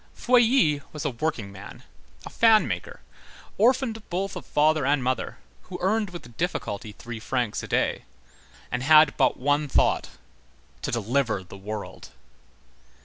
Feuilly was a workingman, a fan maker, orphaned both of father and mother, who earned with difficulty three francs a day, and had but one thought, to deliver the world.